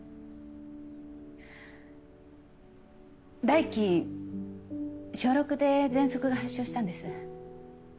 大貴小６でぜんそくが発症したんです。